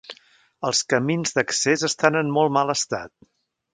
Els camins d'accés estan en molt mal estat.